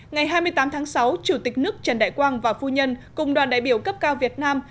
ngày hai mươi tám tháng sáu chủ tịch nước trần đại quang và phu nhân cùng đoàn đại biểu cấp cao việt nam